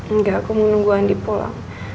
enggak aku menunggu andi pulang